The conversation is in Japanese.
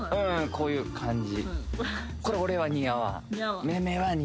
こういう感じ